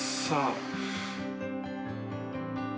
さあ。